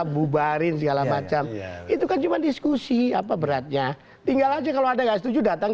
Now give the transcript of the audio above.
bubarin segala macam itu kan cuman diskusi apa beratnya tinggal aja kalau ada yang setuju datang